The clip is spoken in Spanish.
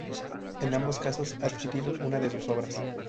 En ambos casos adquirieron una de sus obras.